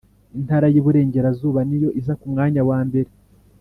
intara y’ Iburengerazuba niyo iza kumwanya wa mbere